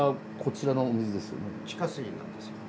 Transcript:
地下水なんですよ。